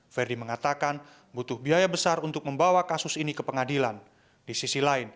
ferdi mengatakan butuh biaya besar untuk membawanya